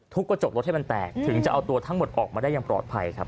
กระจกรถให้มันแตกถึงจะเอาตัวทั้งหมดออกมาได้อย่างปลอดภัยครับ